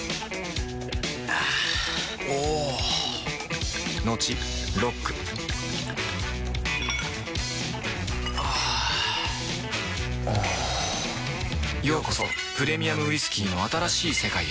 あぁおぉトクトクあぁおぉようこそプレミアムウイスキーの新しい世界へ